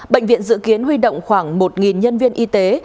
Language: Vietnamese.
bệnh viện dự kiến huy động khoảng một nhân viên y tế